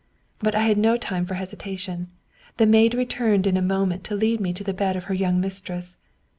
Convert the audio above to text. But I had no time for hesitation; the maid re turned in a moment to lead me to the bed of her young mistress.